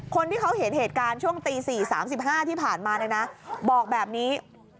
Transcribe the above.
คนที่เขาเห็นเหตุการณ์ช่วงตีสี่สามสิบห้าที่ผ่านมาเลยนะบอกแบบนี้